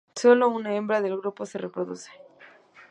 Sólo una hembra del grupo se reproduce.